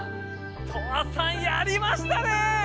トアさんやりましたねえ！